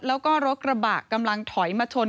แล้วก็รถกระบะกำลังถอยมาชน